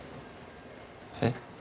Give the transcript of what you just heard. えっ？